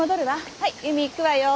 はい由美行くわよ。